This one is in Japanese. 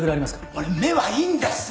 俺目はいいんです。